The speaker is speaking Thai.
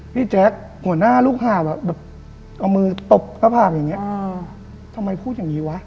แจ๊คหัวหน้าลูกหาบแบบเอามือตบหน้าผากอย่างนี้ทำไมพูดอย่างนี้วะ